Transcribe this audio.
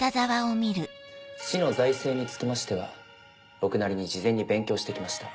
市の財政につきましては僕なりに事前に勉強してきました。